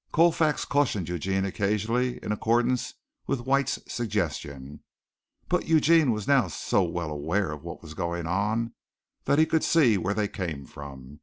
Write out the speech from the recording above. Colfax cautioned Eugene occasionally in accordance with White's suggestions, but Eugene was now so well aware of what was going on that he could see where they came from.